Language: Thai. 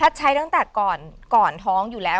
ใช้ตั้งแต่ก่อนท้องอยู่แล้ว